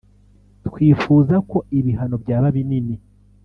twifuza ko ibihano byaba binini